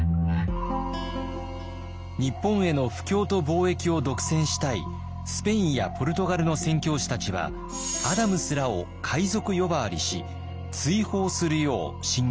日本への布教と貿易を独占したいスペインやポルトガルの宣教師たちはアダムスらを海賊呼ばわりし追放するよう進言していました。